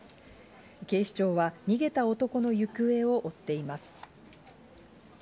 警視庁は逃げた男の行方を追っています。